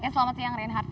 selamat siang reinhardt